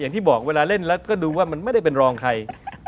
อย่างที่บอกเวลาเล่นแล้วก็ดูว่ามันไม่ได้เป็นรองใคร